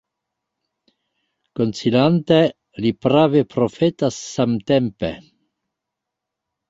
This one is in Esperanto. Konsilante, li prave profetas samtempe.